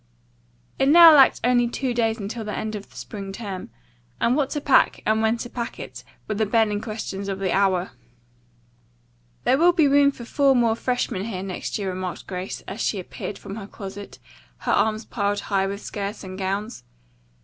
It now lacked only two days until the end of the spring term, and what to pack and when to pack it were the burning questions of the hour. "There will be room for four more freshmen here next year," remarked Grace, as she appeared from her closet, her arms piled high with skirts and gowns.